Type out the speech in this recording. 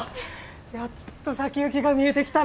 やっと先行きが見えてきたな。